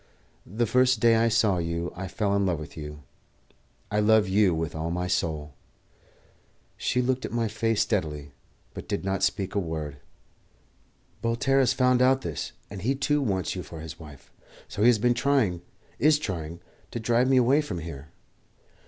The first day I saw you I fell in love with you; I love you now with all my soul." She looked at my face steadily, but did not speak a word. "Voltaire has found out this, and he too wants you for his wife; so he has been trying is trying to drive me away from here.